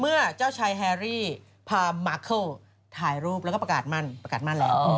เจ้าชายแฮรี่พามาร์เคิลถ่ายรูปแล้วก็ประกาศมั่นประกาศมั่นแล้ว